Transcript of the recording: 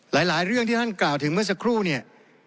หลายเรื่องที่ท่านกล่าวถึงเมื่อสักครู่เนี่ย